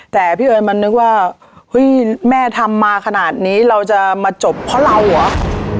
แต่พี่เอิญมันนึกว่าเฮ้ยแม่ทำมาขนาดนี้เราจะมาจบเพราะเราเหรอ